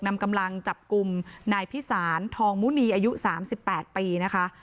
นำกำลังจับกุมหน่ายพิสานทองมูนีอายุสามสิบแปดปีนะคะ